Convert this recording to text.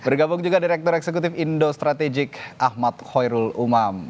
bergabung juga direktur eksekutif indo strategik ahmad khairul umam